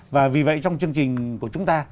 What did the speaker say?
và vì vậy trong chương trình của chúng ta